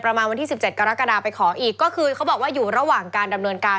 ประมาณวันที่๑๗กรกฎาไปขออีกก็คือเขาบอกว่าอยู่ระหว่างการดำเนินการ